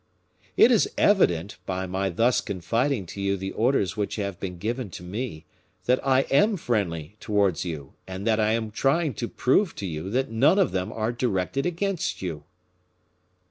"It is evident, by my thus confiding to you the orders which have been given to me, that I am friendly towards you, and that I am trying to prove to you that none of them are directed against you."